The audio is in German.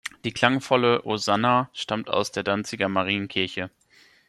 Die klangvolle "Osanna" stammt aus der Danziger Marienkirche.